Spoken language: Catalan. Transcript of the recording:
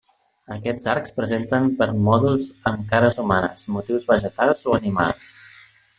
Aquests arcs presenten permòdols amb cares humanes, motius vegetals o animals.